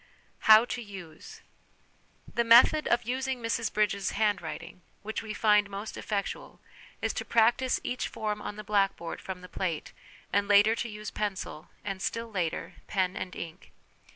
How to Use. The method of using Mrs Bridges' Handwriting^ which we find most effectual, is to practise each form on the blackboard from the plate, and later to use pencil, and still later pen and ink.